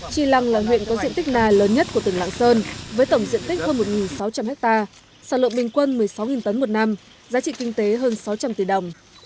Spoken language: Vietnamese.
trì lăng là huyện có diện tích na lớn nhất của tỉnh lạng sơn với tổng diện tích hơn một sáu trăm linh ha sản lượng bình quân một mươi sáu tấn một năm giá trị kinh tế hơn sáu trăm linh tỷ đồng